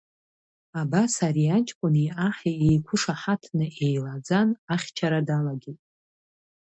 Абас ари аҷкәыни аҳи еиқәышаҳаҭны еилаӡан, ахьчара далагеит.